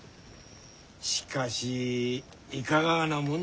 しかしいかがなもん